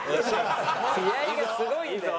気合がすごいね。